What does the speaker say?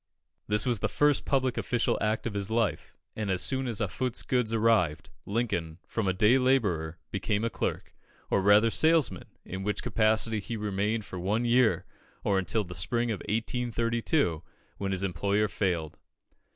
This was the first public official act of his life; and as soon as Offutt's goods arrived, Lincoln, from a day labourer, became a clerk, or rather salesman, in which capacity he remained for one year, or until the spring of 1832, when his employer failed.